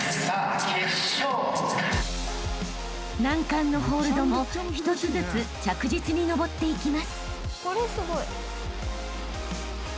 ［難関のホールドも一つずつ着実に登っていきます］